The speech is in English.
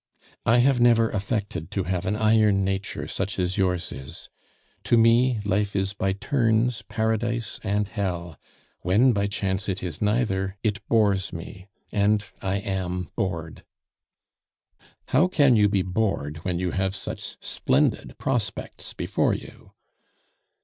"I have never affected to have an iron nature such as yours is. To me life is by turns paradise and hell; when by chance it is neither, it bores me; and I am bored " "How can you be bored when you have such splendid prospects before you?"